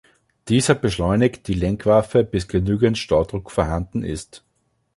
Dieser beschleunigt die Lenkwaffe bis genügend Staudruck vorhanden ist.